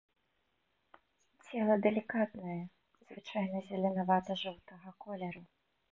Цела далікатнае, звычайна зелянява-жоўтага колеру.